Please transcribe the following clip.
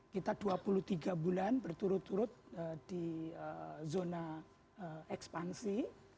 kita dua puluh tiga bulan berturut turut di zona ekspansi